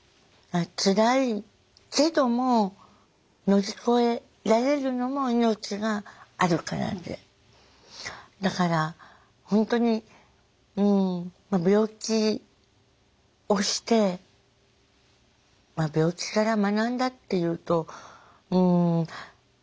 つらいけども乗り越えられるのも命があるからでだから本当に病気をしてまあ病気から学んだっていうとうん。